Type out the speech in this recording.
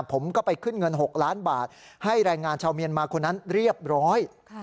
ผมก็ไปขึ้นเงิน๖ล้านบาทให้แรงงานชาวเมียนมาคนนั้นเรียบร้อย